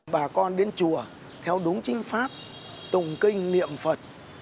bà con đến chùa theo đúng chính pháp tụng kinh niệm phật